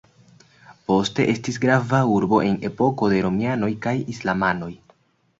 Poste estis grava urbo en epoko de romianoj kaj islamanoj.